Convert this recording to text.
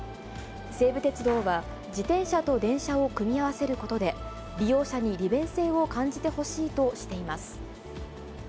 西武鉄道は、自転車と電車を組み合わせることで、利用者に利便性を感じてほしいとしています。